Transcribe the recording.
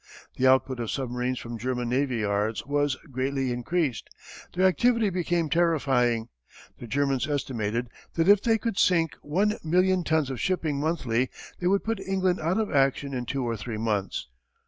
The output of submarines from German navy yards was greatly increased. Their activity became terrifying. The Germans estimated that if they could sink 1,000,000 tons of shipping monthly they would put England out of action in two or three months.